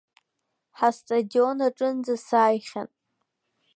Ҳастадион аҿынӡа сааихьан.